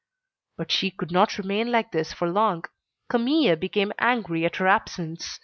But she could not remain like this for long. Camille became angry at her absence.